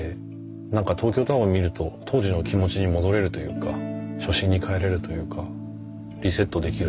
何か東京タワー見ると当時の気持ちに戻れるというか初心に帰れるというかリセットできるというか。